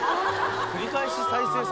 繰り返し再生され。